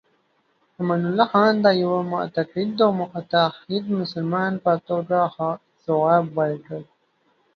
امان الله خان د یوه معتقد او متعهد مسلمان په توګه ځواب ورکړ.